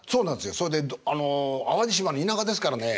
それであの淡路島の田舎ですからね。